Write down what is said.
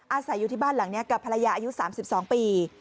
อาศัยอยู่ที่บ้านหลังนี้กับภรรยาอายุ๓๒ปี